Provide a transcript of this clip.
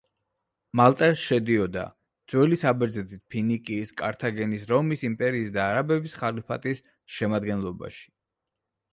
მალტა შედიოდა: ძველი საბერძნეთის, ფინიკიის, კართაგენის, რომის იმპერიის და არაბების ხალიფატის შემადგენლობაში.